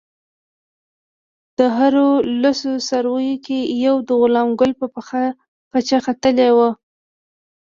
د هرو لسو څارویو کې یو د غلام ګل په پخه پچه ختلی وو.